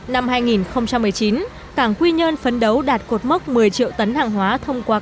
năm hai nghìn một mươi chín cảng quy nhơn phấn đấu đạt cột mốc một mươi triệu tấn hàng hóa thông qua